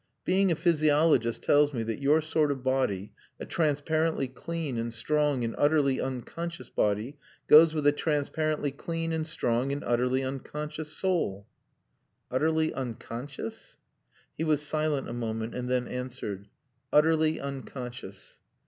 Being a physiologist tells me that your sort of body a transparently clean and strong and utterly unconscious body goes with a transparently clean and strong and utterly unconscious soul." "Utterly unconscious?" He was silent a moment and then answered: "Utterly unconscious."